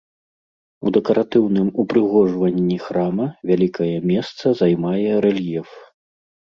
У дэкаратыўным упрыгожванні храма вялікае месца займае рэльеф.